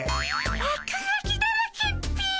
落書きだらけっピ。